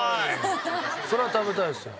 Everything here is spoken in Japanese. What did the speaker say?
それは食べたいですよ。